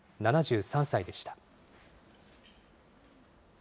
７３歳でした。